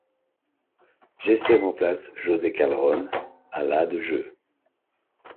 Jesé remplace José Callejón à la de jeu.